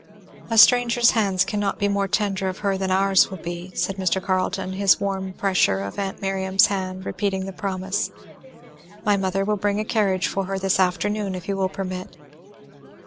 "A stranger's hands cannot be more tender of her than ours will be," said Mr. Carleton, his warm pressure of aunt Miriam's hand repeating the promise. "My mother will bring a carriage for her this afternoon, if you will permit."